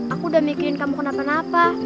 aku udah mikirin kamu kenapa napa